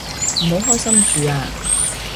唔好開心住啊